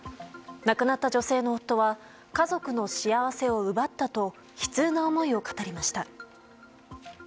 亡くなった女性の夫は家族の幸せを奪ったと悲痛な思いを語りました。